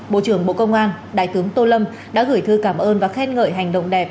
bộ trưởng bộ công an đại tướng tô lâm đã gửi thư cảm ơn và khen ngợi hành động đẹp